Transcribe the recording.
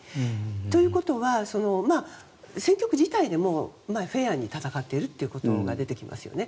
ということは、選挙区自体でもフェアに戦っているというところが出てきますよね。